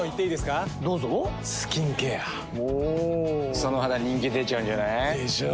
その肌人気出ちゃうんじゃない？でしょう。